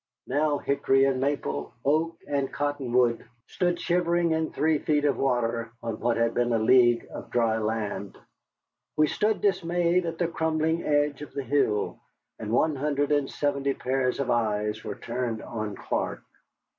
Now hickory and maple, oak and cottonwood, stood shivering in three feet of water on what had been a league of dry land. We stood dismayed at the crumbling edge of the hill, and one hundred and seventy pairs of eyes were turned on Clark.